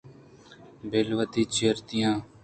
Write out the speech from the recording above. بل وتی چپُرتیاں